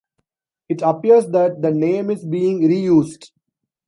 It appears that the name is being re-used.